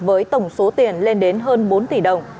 với tổng số tiền lên đến hơn bốn tỷ đồng